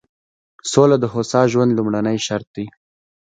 سوله د هوسا ژوند لومړنی شرط دی.